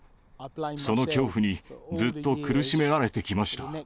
その恐怖にずっと苦しめられてきました。